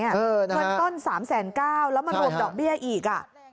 เงินต้น๓๙๐๐แล้วมารวมดอกเบี้ยอีก